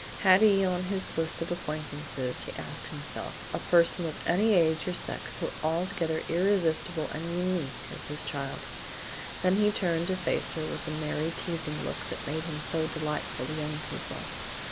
Had he on his list of acquaintances, he asked himself, a person of any age or sex so altogether irresistible and unique as this child? Then he turned to face her with the merry teasing look that made him so delightful to young people.